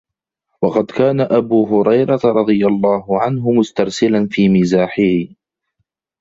وَقَدْ كَانَ أَبُو هُرَيْرَةَ رَضِيَ اللَّهُ عَنْهُ مُسْتَرْسِلًا فِي مِزَاحِهِ